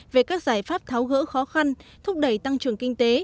về các giải pháp tháo gỡ khó khăn thúc đẩy tăng trưởng kinh tế